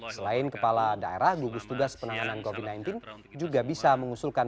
selain kepala daerah gugus tugas penanganan covid sembilan belas juga bisa mengusulkan